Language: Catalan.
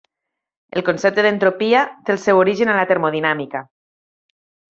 El concepte d'entropia té el seu origen a la Termodinàmica.